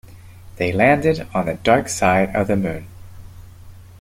They landed on the dark side of the moon.